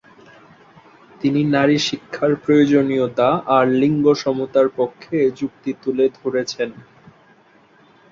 তিনি নারীশিক্ষার প্রয়োজনীয়তা আর লিঙ্গসমতার পক্ষে যুক্তি তুলে ধরেছেন।